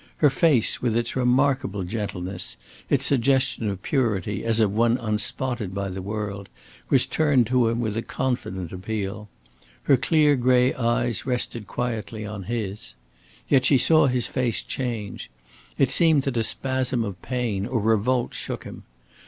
Her face, with its remarkable gentleness, its suggestion of purity as of one unspotted by the world, was turned to him with a confident appeal. Her clear gray eyes rested quietly on his. Yet she saw his face change. It seemed that a spasm of pain or revolt shook him.